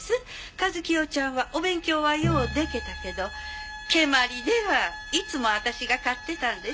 和清ちゃんはお勉強はようでけたけど蹴鞠ではいつも私が勝ってたんです。